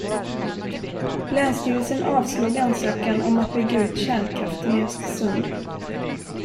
Länsstyrelsen avslog ansökan om att bygga ut kärnkraften i Östersund.